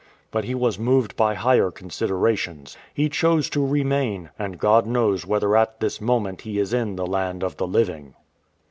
But he was moved by higher considerations. He chose to remain, and God knows whether at this moment he is in the land of the living."